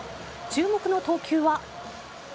注目の投球は。